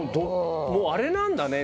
もう、あれなんだね。